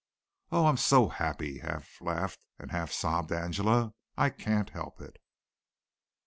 "Oh, I'm so happy," half laughed and half sobbed Angela, "I can't help it."